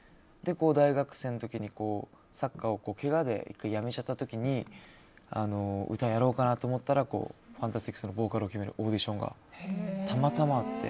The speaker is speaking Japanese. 大学生の時に、サッカーをけがで１回やめた時に歌やろうかなと思ったらＦＡＮＴＡＳＴＩＣＳのボーカルを決めるオーディションがたまたまあって。